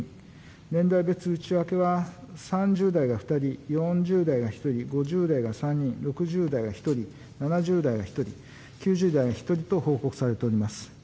年代別内訳は３０代が２人、４０代が１人、５０代が３人、６０代が１人、７０代が１人、９０代が１人と報告されております。